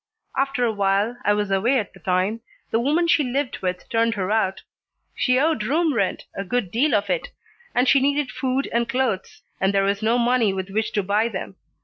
After a while I was away at the time the woman she lived with turned her out. She owed room rent, a good deal of it, and she needed food and clothes, and there was no money with which to buy them.